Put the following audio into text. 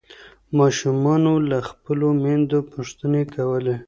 ماشومانو له خپلو میندو پوښتني کولي.